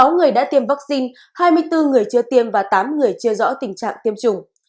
sáu người đã tiêm vaccine hai mươi bốn người chưa tiêm và tám người chưa rõ tình trạng tiêm chủng